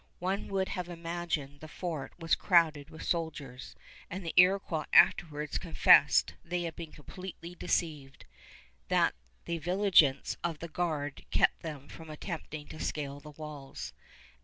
One would have imagined the fort was crowded with soldiers, and the Iroquois afterwards confessed they had been completely deceived; that the vigilance of the guard kept them from attempting to scale the walls.